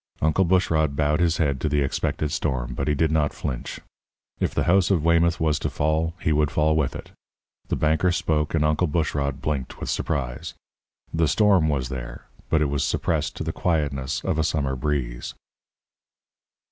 Uncle Bushrod bowed his head to the expected storm, but he did not flinch. If the house of Weymouth was to fall, he would fall with it. The banker spoke, and Uncle Bushrod blinked with surprise. The storm was there, but it was suppressed to the quietness of a summer breeze.